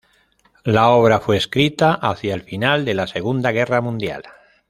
La obra fue escrita hacia el final de la Segunda Guerra Mundial.